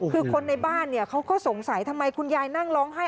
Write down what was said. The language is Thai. คือคนในบ้านเขาก็สงสัยทำไมคุณยายนั่งร้องไห้